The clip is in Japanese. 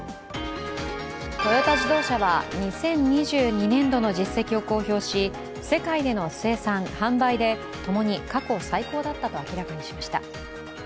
トヨタ自動車は２０２２年度の実績を公表し世界での生産・販売で共に過去最高だったと明らかにしました。